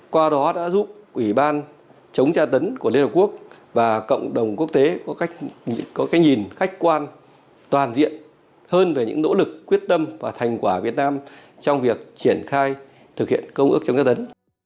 qua đó đã giúp ủy ban chống tra tấn của liên hợp quốc và cộng đồng quốc tế có cái nhìn khách quan toàn diện hơn về những nỗ lực quyết tâm và thành quả việt nam trong việc triển khai thực hiện công ước chống tra tấn